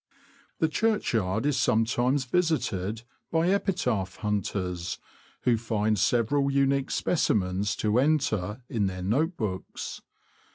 The churchyard is sometimes visited by epitaph hunters, who find several unique specimens to enter in their note books.